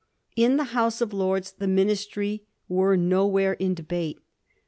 In the House of Lords the Ministry were nowhere in debate.